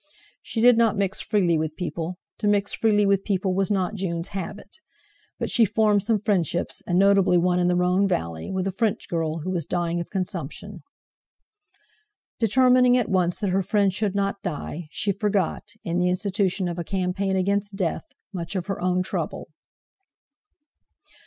She did not mix freely with people—to mix freely with people was not Jun's habit—but she formed some friendships, and notably one in the Rhone Valley, with a French girl who was dying of consumption. Determining at once that her friend should not die, she forgot, in the institution of a campaign against Death, much of her own trouble.